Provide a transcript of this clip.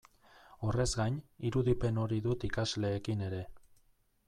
Horrez gain, irudipen hori dut ikasleekin ere.